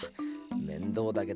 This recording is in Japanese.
面倒だけど。